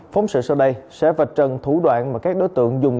phóng sự sau đây sẽ vạch trần thủ đoạn mà các đối tượng dùng